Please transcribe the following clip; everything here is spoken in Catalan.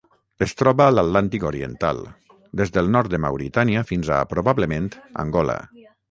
Es troba a l'Atlàntic oriental: des del nord de Mauritània fins a, probablement, Angola.